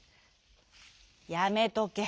「やめとけ。